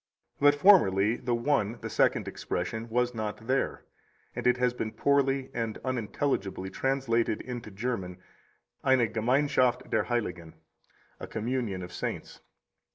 But formerly the one [the second] expression was not there, and it has been poorly and unintelligibly translated into German eine Gemeinschaft der Heiligen, a communion of saints.